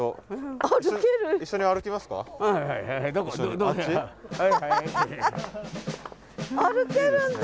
歩けるんだ。